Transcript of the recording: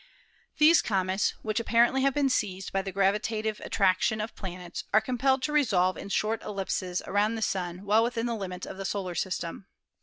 These comets, which appar ently have been seized by the gravitative attraction of planets, are compelled to revolve in short ellipses around the Sun well within the limits of the solar system.